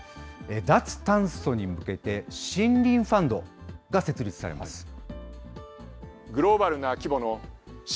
脱炭素に向けて、森林ファンドが設立されます。